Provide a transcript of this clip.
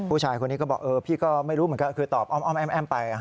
ผู้ชายคนนี้ก็บอกพี่ก็ไม่รู้เหมือนกันคือตอบอ้อมแอ้มไป